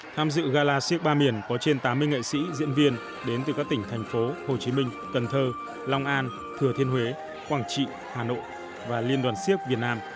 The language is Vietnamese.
tham dự gala siếc ba miền có trên tám mươi nghệ sĩ diễn viên đến từ các tỉnh thành phố hồ chí minh cần thơ long an thừa thiên huế quảng trị hà nội và liên đoàn siếc việt nam